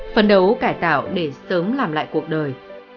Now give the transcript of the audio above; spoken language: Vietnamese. phấn đấu cải tạo để sớm làm lại cuộc đời